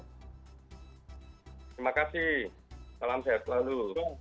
terima kasih salam sehat selalu